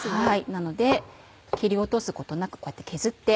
なので切り落とすことなくこうやって削って。